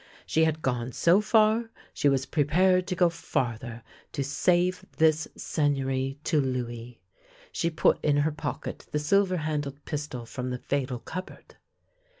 She had gone so far, she was prepared to go farther to save this Seigneury to Louis. She put in her pocket the silver handled pistol from the fatal cupboard.